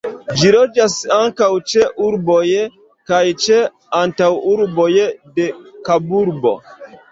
Ĝi loĝas ankaŭ ĉe urboj kaj ĉe antaŭurboj de Kaburbo.